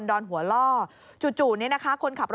โดดลงรถหรือยังไงครับ